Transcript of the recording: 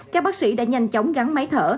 các bác sĩ đã nhanh chóng gắn máy thở